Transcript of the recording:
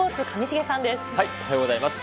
おはようございます。